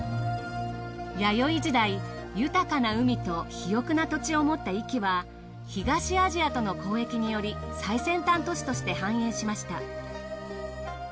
弥生時代豊かな海と肥沃な土地を持った壱岐は東アジアとの交易により最先端都市として繁栄しました。